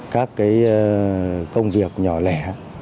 các công việc nhỏ lẻ